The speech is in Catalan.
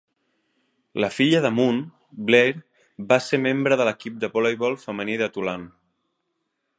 La filla de Moon, Blair, va ser membre de l'equip de voleibol femení de Tulane.